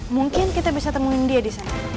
mungkin kita bisa temuin dia disana